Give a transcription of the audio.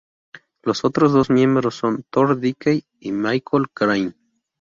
Los otros dos miembros son Thor Dickey y Michael Crain.